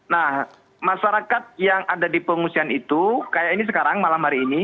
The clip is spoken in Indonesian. nah masyarakat yang ada di pengungsian itu kayak ini sekarang malam hari ini